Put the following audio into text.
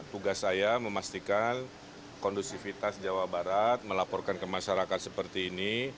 tugas saya memastikan kondusivitas jawa barat melaporkan ke masyarakat seperti ini